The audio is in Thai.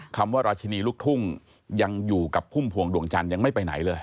คำว่าราชินีลูกทุ่งยังอยู่กับพุ่มพวงดวงจันทร์ยังไม่ไปไหนเลย